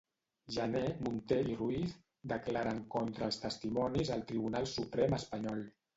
Jané, Munté i Ruiz declaren contra els testimonis al Tribunal Suprem espanyol.